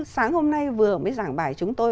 sáng hôm nay vừa mới giảng bài chúng tôi